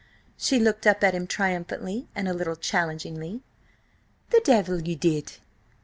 She looked up at him triumphantly and a little challengingly. "The devil ye did!"